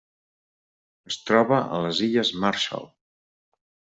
Es troba a les Illes Marshall.